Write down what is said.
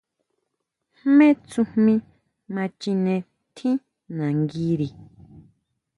¿Jmé tsujmí ma chine tjín nanguiri?